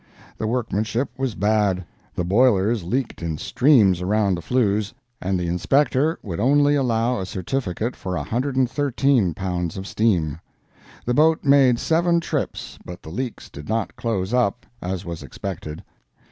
The workmanship was bad; the boilers leaked in streams around the flues, and the Inspector would only allow a certificate for 113 pounds of steam. The boat made seven trips, but the leaks did not close up, as was expected.